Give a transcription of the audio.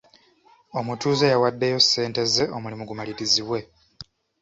Omutuuze yawaddeyo ssente ze omulimu gumalirizibwe.